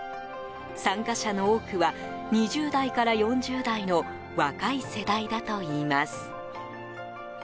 参加者の多くは、２０代から４０代の若い世代だといいます。